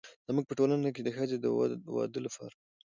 زموږ په ټولنه کې د ښځې د واده لپاره